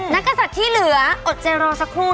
กษัตริย์ที่เหลืออดใจรอสักครู่